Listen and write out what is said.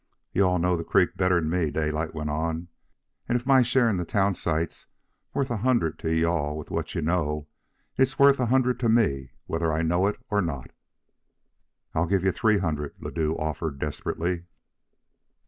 "You all know the creek better'n me," Daylight went on. "And if my share in the town site's worth a hundred to you all with what you all know, it's worth a hundred to me whether I know it or not." "I'll give you three hundred," Ladue offered desperately.